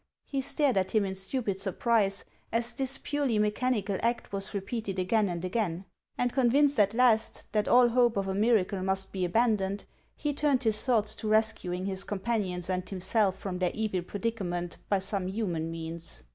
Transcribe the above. He stared at him in stupid sur prise, as this purely mechanical act was repeated again and again ; and convinced at last that all hope of a mir acle must be abandoned, he turned his thoughts to rescu ing his companions and himself from their evil predica ment by some human means.